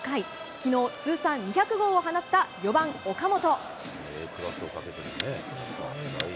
きのう、通算２００号を放った４番岡本。